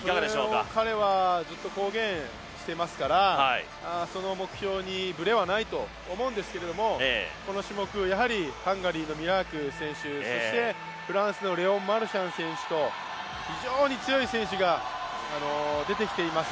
それを彼はずっと公言していますから、この目標にブレはないと思うんですけれどもこの種目やはりハンガリーのミラーク選手、そしてフランスのレオン・マルシャン選手と非常に強い選手が出てきています